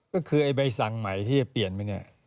ก็คือไอ้ใบสั่งใหม่ที่จะเปลี่ยนไปเนี่ย